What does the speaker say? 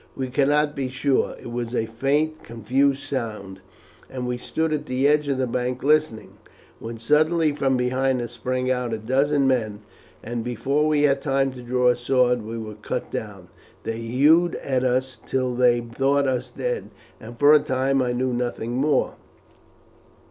We could not be sure. It was a faint confused sound, and we stood at the edge of the bank listening, when suddenly from behind us sprang out a dozen men, and before we had time to draw a sword we were cut down. They hewed at us till they thought us dead, and for a time I knew nothing more.